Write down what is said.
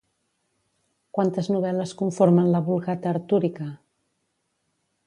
Quantes novel·les conformen la Vulgata artúrica?